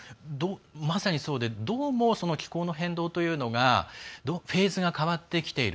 まさにそうで、どうもその気候の変動というのがフェーズが変わってきている。